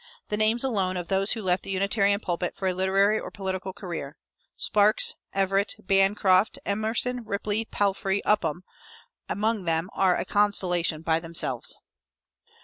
The names alone of those who left the Unitarian pulpit for a literary or political career Sparks, Everett, Bancroft, Emerson, Ripley, Palfrey, Upham, among them are a constellation by themselves.